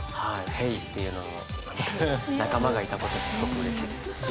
「Ｈｅｙ！」っていうのの仲間がいたことすごくうれしいです。